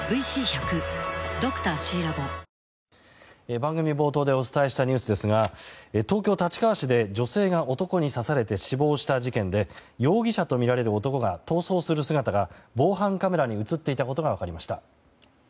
番組冒頭でお伝えしたニュースですが東京・立川市で女性が男に刺されて死亡した事件で容疑者とみられる男が逃走する姿が防犯カメラに映っていたことが分かりました。